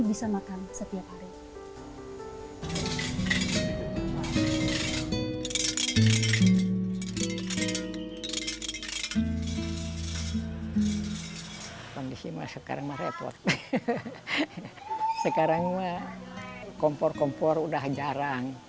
bisa makan setiap hari kondisi masukkan maret waktu sekarang mah kompor kompor udah jarang